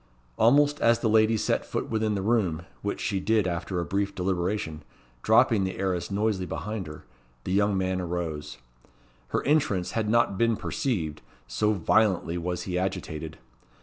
Almost as the lady set foot within the room, which she did after a brief deliberation, dropping the arras noiselessly behind her, the young man arose. Her entrance had not been perceived, so violently was he agitated.